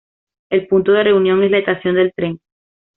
El punto de reunión es la estación de tren.